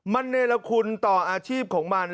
มันเนรคุณต่ออาชีพของมัน